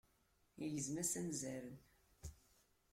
Igezm-as anzaren.